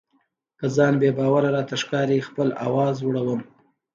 که ځان بې باوره راته ښکاري خپل آواز لوړوم.